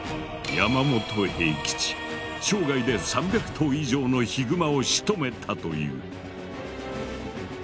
生涯で３００頭以上のヒグマをしとめたという。